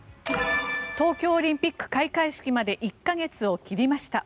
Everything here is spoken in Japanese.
東京オリンピック開会式まで１か月を切りました。